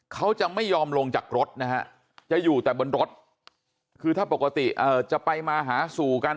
เขาจะไม่ยอมลงจากรถนะฮะจะอยู่แต่บนรถคือถ้าปกติจะไปมาหาสู่กัน